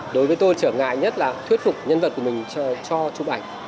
đối với tôi trở ngại nhất là thuyết phục nhân vật của mình cho chụp ảnh